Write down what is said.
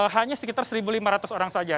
hanya sekitar satu lima ratus orang saja